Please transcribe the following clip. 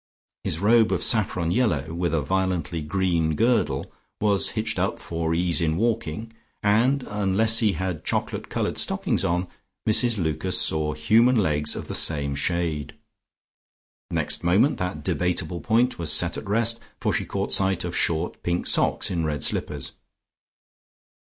His robe of saffron yellow with a violently green girdle was hitched up for ease in walking, and unless he had chocolate coloured stockings on, Mrs Lucas saw human legs of the same shade. Next moment that debatable point was set at rest for she caught sight of short pink socks in red slippers.